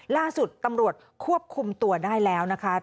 ล่าสุดตำรวจควบคุมตัวได้แล้วนะคะ